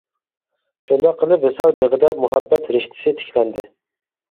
شۇنداق قىلىپ ۋىسال بېغىدا مۇھەببەت رىشتىسى تىكلەندى.